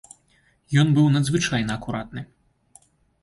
Ён быў надзвычайна акуратны.